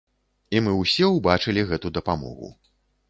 І мы ўсе ўбачылі гэту дапамогу.